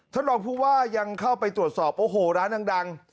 ท่านรองผู้ว่ายังเข้าไปตรวจสอบโอ้โหร้านดัง